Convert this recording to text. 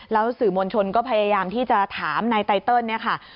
แล้วสื่อมวลชนก็พยายามที่จะถามนายไตเติลเนี่ยค่ะ